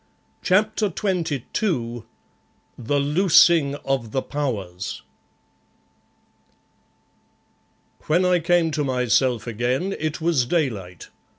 CHAPTER XXII THE LOOSING OF THE POWERS When I came to myself again, it was daylight.